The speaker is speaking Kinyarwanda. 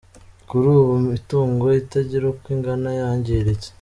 Kuri ubu imitungo itagira uko igana yangiritse.